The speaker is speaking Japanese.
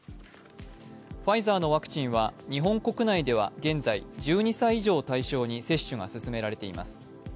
ファイザーのワクチンは日本国内では現在、１２歳以上を対象に接種が進められています。